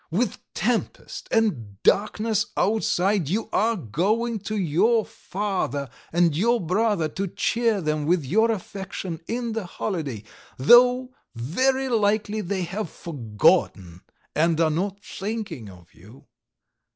With tempest and darkness outside you are going to your father and your brother to cheer them with your affection in the holiday, though very likely they have forgotten and are not thinking of you.